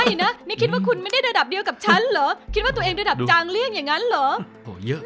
ใช่นะนี่คิดว่าคุณไม่ได้ระดับเดียวกับฉันเหรอคิดว่าตัวเองระดับจางเลี่ยงอย่างนั้นเหรอ